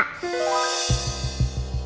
kau gemoy kesini